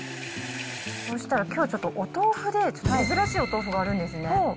そしたらきょうはちょっとお豆腐で、ちょっと珍しいお豆腐があるんですね。